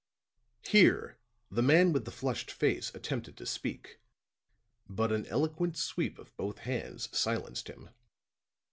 Here the man with the flushed face attempted to speak; but an eloquent sweep of both hands silenced him.